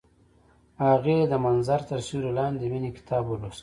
هغې د منظر تر سیوري لاندې د مینې کتاب ولوست.